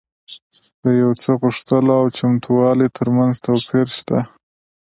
د يو څه د غوښتلو او چمتووالي ترمنځ توپير شته.